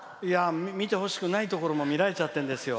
見てほしくないところも見られているんですよ。